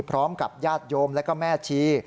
พร้อมกับญาติโยมแล้วก็แม่ชี